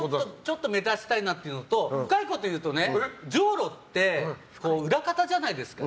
ちょっと目立ちたいなっていうのと深いこと言うとねジョウロって裏方じゃないですか。